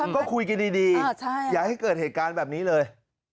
ก็คุยกันดีอย่าให้เกิดเหตุการณ์แบบนี้เลย